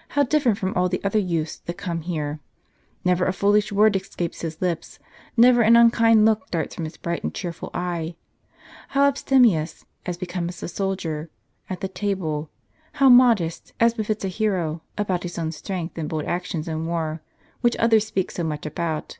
" How different from all the other youths that come here. ^N'ever a foolish word escapes his lips, never an unkind look darts from his bright and cheerful eye. How abstemious, as becomes a soldier, at the table; how modest, as befits a hero, about his own strength and bold actions in war, which others speak so much about.